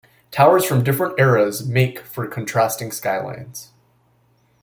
Towers from different eras make for contrasting skylines.